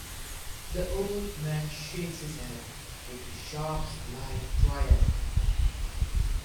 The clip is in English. The old man shakes his head with sharp sly triumph.